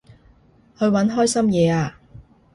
去搵開心嘢吖